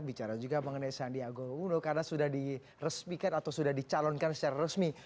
bicara juga mengenai sandiaga uno karena sudah diresmikan atau sudah dicalonkan secara resmi